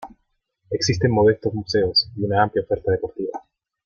Existen modestos museos y una amplia oferta deportiva.